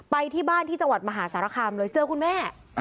ไปที่บ้านที่จังหวัดมหาสารคามเลยเจอคุณแม่